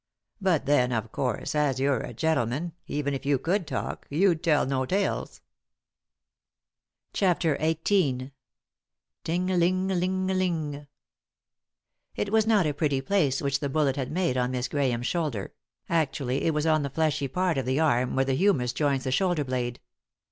" But then, of course, as you're a gentleman, even if you could talk you'd tell no tales." 184 3i 9 iii^d by Google CHAPTER XVIII " TING LING LING LING " It was not a pretty place which the bullet had made on Miss Grabame's shoulder — actually it was ou the fleshy part of the aim where the humerus joins the shoulder blade.